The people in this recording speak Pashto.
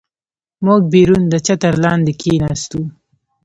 موږ بیرون د چتر لاندې کېناستو.